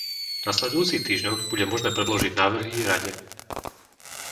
V nasledujúcich týždňoch bude možné predložiť návrhy Rade.